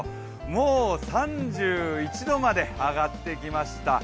もう３１度まで上がってきました。